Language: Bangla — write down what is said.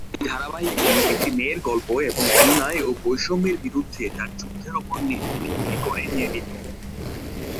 এই ধারাবাহিকটি একটি মেয়ের গল্প এবং অন্যায় ও বৈষম্যের বিরুদ্ধে তার যুদ্ধের উপর ভিত্তি করে নির্মিত।